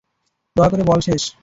দয়া করে বল শেষ।